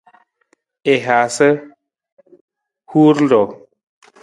I haasa huur ruu.